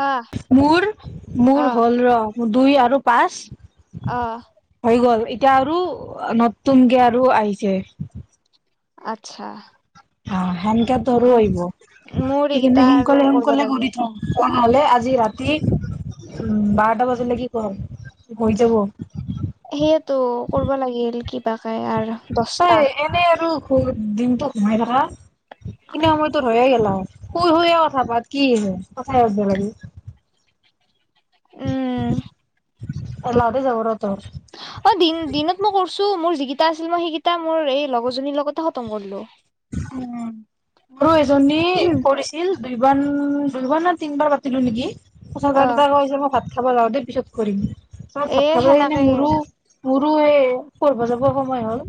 আহ মোৰ মোৰ আহ হ'ল ৰ দুই আৰু পাঁচ- অঁহ' হৈ গ'ল, এতিয়া আৰু নতুনকে আৰু আহিছে। আৎচ্ছা। অঁ' সেনেকে তোৰো আহিব, মোৰ এইকেইটা সেইকাৰণে আৰু সোনকালে কৰিব সোনকালে লাগিল কৰি থম। তেনে হ'লে আজি ৰাতি উ বাৰটা বজালৈকে কৰ হৈ যাব। সেইয়ে টো কৰিব লাগিল। কিবা কে। তই এনেই আৰু ঘূ দিনটো ঘূমাই থাকা। সিখিনি সময় তোৰ হৈয়ে গে'ল, শুই শুইয়ে কথা পাত কি আছে কথাই হে তো পাতিবি। উম' এলাহ সতে যাব ৰ তোৰ। অত- দিন দিনত মই কৰিছো মোৰ যিগিটা আছিল মই সেইকেইটা মোৰ এই লগৰজনীৰ লগতে খতম কৰিলো। উম' মোৰো এজনী কৰিছ- ছিল দুই বান দুই বাৰ নে তিনিবাৰ পাতিলো নেকি? মই অ ভাত- খাব যাওঁতে পিছত কৰিম, চ এ ভাত খাব যায় কিনে সেনেকে মোৰো- মোৰো এই পঢ়িব যাব সময় হ'ল।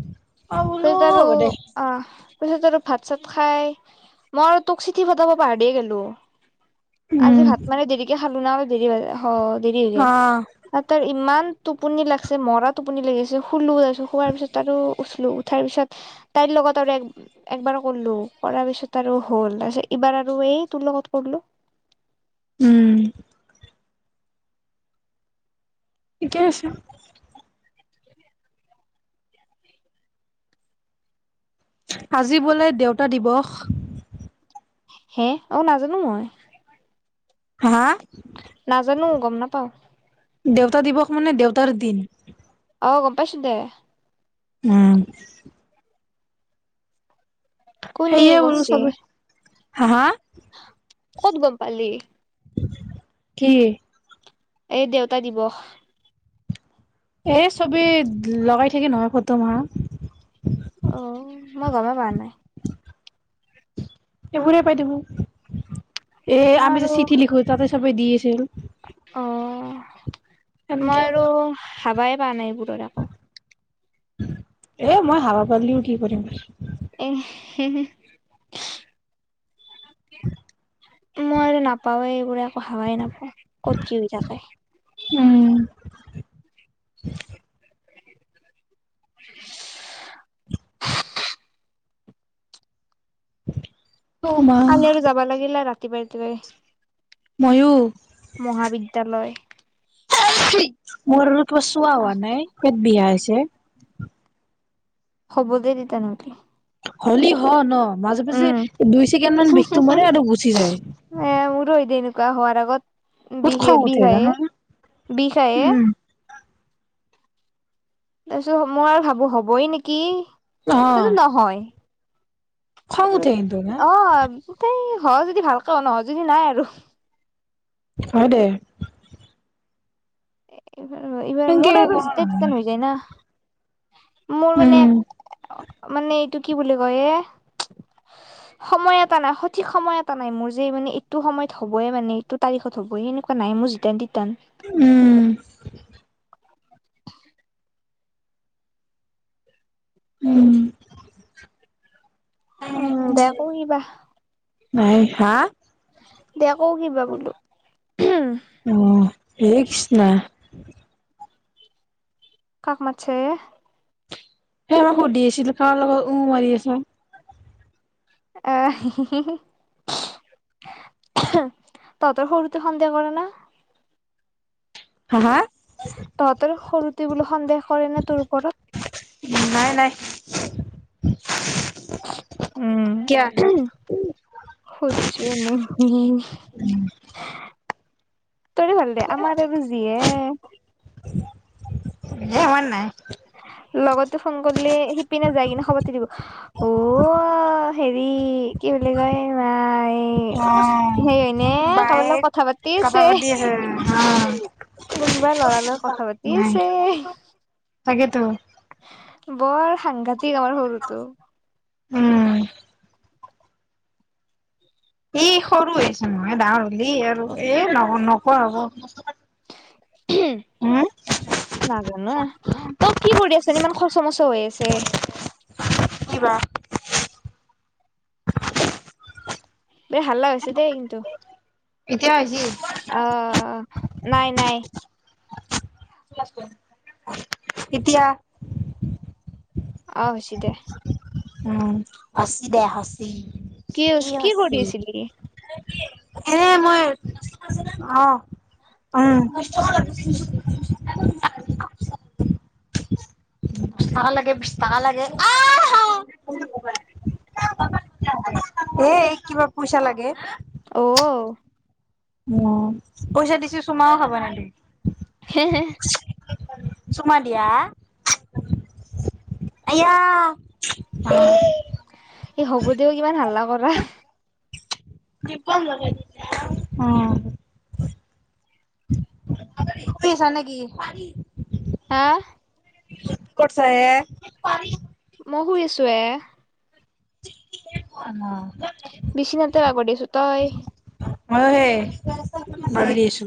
অ বোলো পিছত আৰু হ'ব দে অঁ পিছত আৰু ভাত চাত খাই- মই আৰু তোক চিঠি পঠাব পাহৰিয়ে গ'লো। আজি উম ভাত মানে দেৰিকে খালো না অলপ দেৰি হ দেৰি হৈ গ'ল। আ তাৰ ইমান টোপনি লাগিছে মৰা টোপনি লাগিছে শুলো তাৰপিছত শোৱাৰ পিছত আৰু উঠিলো- উঠাৰ পিছত তাইৰ লগত আৰু এক- একবাৰ কৰিলো কৰাৰ পিছত আৰু হ'ল তাৰপিছত এইবাৰ আৰু এই তোৰ লগত কৰিলো- উম' ঠিকে আছে। আজি বোলে দেউতা দিৱস। হেঁ, অঁ নাজানো মই। হা? নাজানো গম নাপাওঁ। দেউতা দিৱস মানে দেউতাৰ দিন। অ গম পাইছো দে। উম। কোনে সেয়ে বোলো কৈছে চবে হা হা, ক'ত গম পালি কি? এই দেউতা দিৱস এ চবে লগাই থাকে নহয় ফটো মা। অ মই গমেই পোৱা নাই। এইবোৰে পাই থাকো, এ মই আমি আৰু যে চিঠি লিখো তাতে চবে দি আছিল। অ সেনকে মই আৰু চাবাই পোৱা নাই এইবোৰত আক। এ মই হাৱা পালিও কি কৰিম? উম হু হু। [inaudible] মই আৰু নাপাৱে এইবোৰে একো হাৱাই নাপাওঁ ক'ত কি হৈ থাকে। উম। [inaudible] [inaudible] মা কালি আৰু যাবা লাগিলে ৰাতিপুৱাই ৰাতিপুৱাই। ময়ো মহাবিদ্যালয় মোৰ কিবা চুৱা হোৱা নাই পেট বিষাইছে। হ'ব দে তিতা নহ'লে। হলি হ ন মাজে মাজে দুই ছেকেণ্ড মান বিষটো মাৰে আৰু গুচি যায়। এ মোৰো এদে এনেকুৱা হোৱাৰ আগতে বহুত বিষ এ খং উঠে বিষ আহে, জানানে বিষ আহে। উম তাছত মই ভাবো হ'বই নেকি? অ কিন্তু নহয়, খং উঠে কিন্তু না অ। তেই হ যদি ভালকে হ নহ যদি নাই আৰু। হয় দে। এইবাৰ আৰু এইবাৰ সেনকে মোৰ আৰু কৰা যেতিয়াই তেতিয়াই নহয় হৈ যায় না। মোৰ মানে উম মানে এইটো কি বুলি কয় এ সময় এটা নাই সঠিক সময় এটা নাই মোৰ যে মানে এইটো সময়ত হ'বইে মানে এইটো তাৰিখত হ'ব স এনেকুৱা নাই মোৰ যি তেন্তিতান উম। উম। উম দে আকৌ কিবা নাই, হা? দে আকৌ কিবা বোলো অ হেইকষ্ণা কাক মাতছা এ? সে আমাক সুধি আছিল কাৰ লগত উ মাৰি আছ। আহ হি হি হি। তহত সৰুতে সন্দেহ কৰে না? হা হা? তহঁতৰ সৰুতে বোলো সন্দেহ কৰে ন তোৰ ওপৰত? নাই নাই, কিয়া? সুধিছো এনে হিহী। তোৰে ভাল দে আমাৰ আৰু যিহে এই আমাৰ নাই লগতো ফোন কৰিলে শিপিনে যায় কিনে খবৰটো দিব। অ হেৰি কি বুলি কয় নাই অ'। এই হেৰি ইনে বায়ে কাৰোবাৰ লগ কথা পাতি কথা আছে। পাতি অহ কোনোবাই ল'ৰাৰ লগত কথা পাতি নাই আছে। তাকেতো বৰ সাংঘাতিক আমাৰ সৰুটো। উম এই সৰু হৈছে নহয় ডাঙৰ হ'লি আৰু এ ন নকও হ'ব উম, [inaudible] নাজান এই, তই কি কৰি আছ ইমান খচ মচ হৈ আছে? কিবা এ হাল্লা হৈছে দেই কিন্তু, এতিয়া হৈছি? অ নাই নাই। এতিয়া অ হৈছে দে। উম আছি দে আছি কি হৈছে এ মই অঁ। উম বিশ টকা লাগে বিশ টকা লাগে। আঁহা এ এইক কিবা পইচা লাগে। অঔ উম পইচা দিছো চুমাও খাব নিদিয়ে। হে হে চুমা দিয়া। আয়া এই হ'ব দে ইমান হাল্লা কৰা। উম শুই আছা নেকি? হা? কি কৰিছা হে? মই শুই আছো এ। [inaudible] অ বিছিনাতে বাগৰি আছো। তই? অ মইয়ো হে বাগৰি আছো।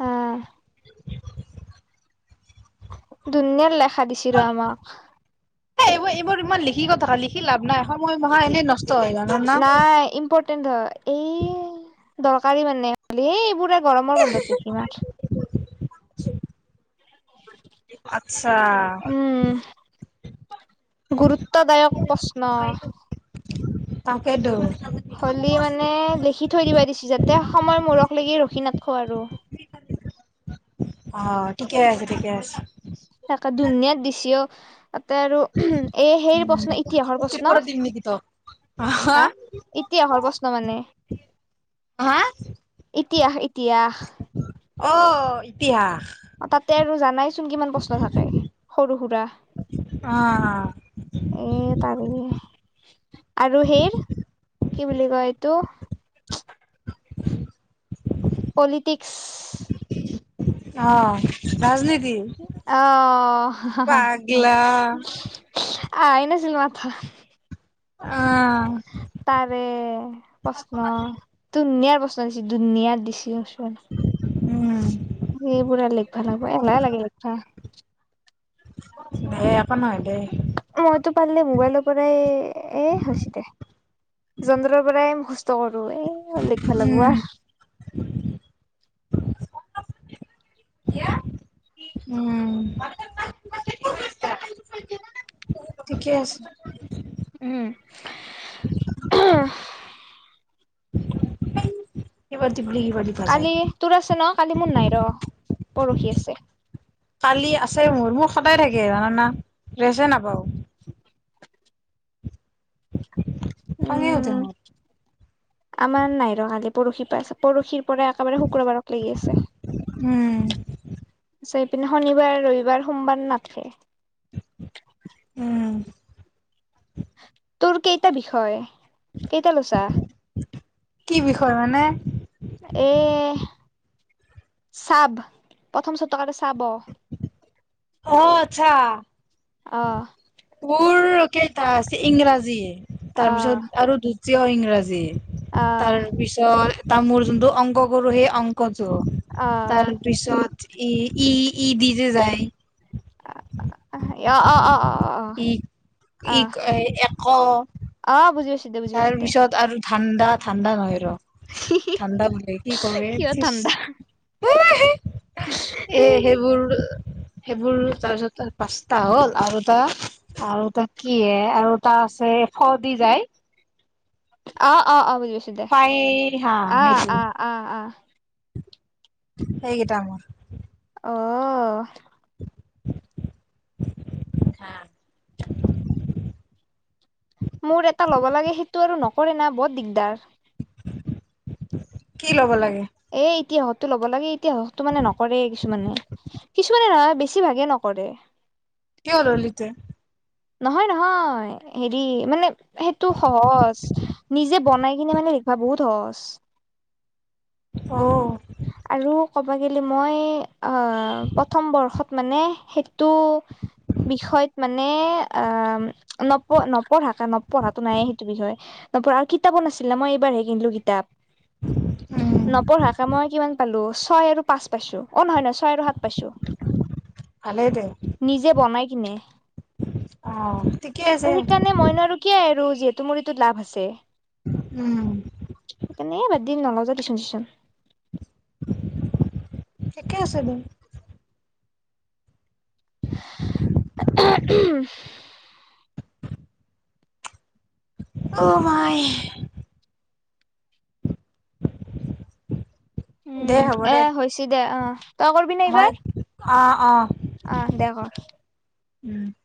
উম ধুনিয়াৰ লেখা দিছিল ৰ আমাক এ এইবোৰ এইবোৰ ইমান লিখি কথা লিখি লাভ নাই সময় মা এনেই নষ্ট হৈ যা নাই ইম্পৰ্টেণ্ট ধৰ, এই দৰকাৰী মানে হলে এই এইবোৰ গৰমৰ বন্ধত গৈছি না। আচ্ছা। গুৰুত্বদায়ক প্ৰশ্ন। তাকেটো হ'লি মানে লিখি থৈ দিছি যাতে সময় মূৰক লাগি ৰখি নাথখো। অ ঠিকে আছে ঠিকে আছে। তাকে টো ধুনীয়াৰ দিশেও। তাতে আৰু এই সেই ইতিহাস প্ৰশ্ন। ত্ৰিপুৰা দিম নেকি তক? হা ইতিহাসৰ প্ৰশ্ন মানে। হা? ইতিয়াহ ইতিয়াহ। অ ইতিহাস অ তাতে আৰু জানাইচোন কিমান প্ৰশ্ন থাকে সৰু সুৰা। অ এ তাৰ মানে আৰু সে কি বুলি কয় এইটো। পলিটিক্স। অ ৰাজনীতি। অ আহ পাগলা আহ নাছিল মাথা। অ। তাৰে প্ৰশ্ন দুনিয়াৰ প্ৰশ্ন। দুুনিয়াত দিছে। উম। সেইবোৰৰে লিখিবা লাগিব এলাই লাগে লিখা। দেই একো নহয় দেই। মইতো পাৰিলে মোবাইলৰ পৰাই এ হৈছে দে যন্ত্ৰৰ পৰাই মু। ত কৰো এ লিখবা লাগবা উম কিয়া উম মোৰ ঠিকে আছে। উম অঘঘঘ। ইবা দিবিলি ইবা দিপ। কালি তোৰ আছে ন কালি মোৰ নাই ৰ পৰহি আছে। কালি আছে মোৰ, মোৰ সদায় থাকে জানানা ৰেচে নাপাওঁ। খঙে উঠে উম মোৰ। আমাৰ নাই ৰঙালি পৰসি পা আছে পৰসি পৰা একেবাৰে শুক্ৰবাৰক লাগি আছে। হম। চাইপিনে শনিবাৰ ৰবিবাৰ সোমবাৰ নাথকে। উম। তোৰ কেইটা বিষয়, কেইটা লৈছা? কি বিষয় মানে? এ হ চাব প্ৰথম চা ব। অ আচ্ছা। অ। তোৰ কেইটা আছে ইংৰাজী তাৰপিছত আৰু দ্বিতীয় ইংৰাজী। তাৰপিছত তাৰ মোৰ যোনটো অংক কৰোঁ সেই অংকটো, অ অ অ তাৰ পিছত ই ই ই দি যে যায়। অ অ অ অ। ই ই কি কয় এক অ বুজিজ। তাৰ পিছত আৰু ঠাণ্ডা ঠাণ্ডা নহয় ৰ। ঠাণ্ডা মানে কি কওঁ ৰে কিয় টিছ ঠাণ্ডা এ সেইবোৰ সেইবোৰ তাৰপিছত পাঁচটা হ'ল আৰু এটা আৰু তাক কিহে, আৰু তাৰ আছে ফৰ দি যায়। অ' অ' অ' বুজিছো দে, ফাই হা অ' সেইটো অ' অ'। সেইকেইটা মোৰ। অ'। হা! মোৰ এটা ল'ব লাগে, সেইটো আৰু নকৰে না! বহুত দিগদাৰ। কি ল'ব লাগে? এ ইতিয়হতো ল'ব লাগে, ইতিয়হতো মানে নকৰে কিছুমানে, কিছুমানে নহয় বে ছি ভাগে নকৰে। কিয় ললি তে? নহয় নহয়, হেৰি মানে সেইটো সহজ। নিজে বনাই কিনে মানে লিখিবা বহুত সহজ। অ'। আৰু ক'ব গ'লে মই অ' প্ৰথম বৰ্ষত মানে সেইটো বিষয়ত মানে আ অলপো [unintelligible] সেইটো বিষয়। নপঢ়া, কিতাপো নাছিলে মই এইবাৰহে কিনিলো কিতাপ, উম নপঢ়াকে মই কিমান পালো ছয় আৰু পাঁচ পাইছো, অ' নহয় নহয় ছয় আৰু সাত পাইছো। ভালেই দে নিজে বনাই কিনে। অ ঠিকে আছে তুমি কাৰণে মইনো আৰু কিয় আৰু যিহেতু মোৰ এইটোত লাভ আছে। উম সেইকাৰণে এ বাদ দিলো, নলও যা টিউচন চিউচন। ঠিকেই আছে দে। [unintelligible] অ' মাই! দে উম হ'ব এ দে হৈছে দে, অ' তই কৰিবি নে এইবাৰ? অঁ! অ' দে কৰ। উম'।